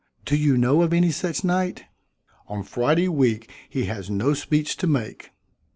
Do you know of any such night?" "On Friday week he has no speech to make."